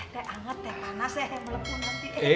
teh hangat teh panas teh melepun nanti